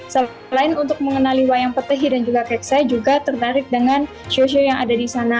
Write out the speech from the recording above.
selain untuk mengenali wayang petehi dan juga keksai juga tertarik dengan show show yang ada di sana